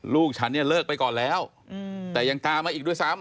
ลูกฉันเนี่ยเลิกไปก่อนแล้วแต่ยังตามมาอีกด้วยซ้ำ